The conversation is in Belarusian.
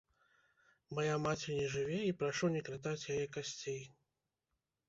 Мая маці не жыве, і прашу не кратаць яе касцей.